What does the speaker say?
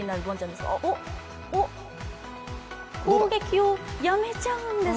攻撃をやめちゃうんです。